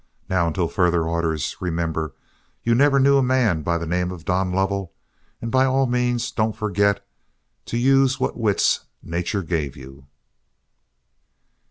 Now, until further orders, remember you never knew a man by the name of Don Lovell, and by all means don't forget to use what wits Nature gave you."